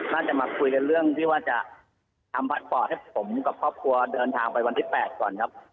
น่าจะมาคุยกันเรื่องที่ว่าจะทำพาสปอร์ตให้ผมกับครอบครัวเดินทางไปวันที่๘ก่อนครับ